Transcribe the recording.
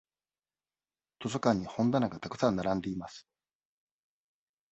図書館に本棚がたくさん並んでいます。